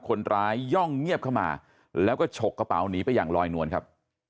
ย่องเงียบเข้ามาแล้วก็ฉกกระเป๋าหนีไปอย่างลอยนวลครับ